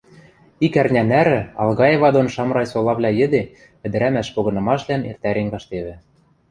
Ик ӓрня нӓрӹ Алгаева дон Шамрай солавлӓ йӹде ӹдӹрӓмӓш погынымашвлӓм эртӓрен каштевӹ.